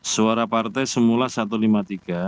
suara partai semula satu ratus lima puluh tiga